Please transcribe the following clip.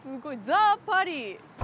ザ・パリ！